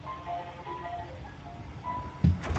آیا پخپله زده کړه حوصله او صبر غواړي؟